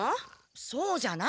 そうじゃない。